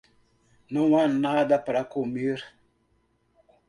Não há nada para comer.